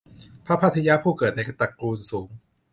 พระภัททิยะ ผู้เกิดในตระกูลสูง